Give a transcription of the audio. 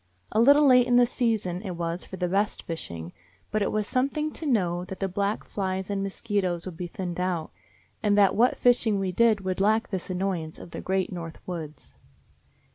A little late in the season it was for the best fishing, but it was something to know that the black flies and mosquitos would be thinned out, and that what fishing we did would lack this annoyance of the great North Woods.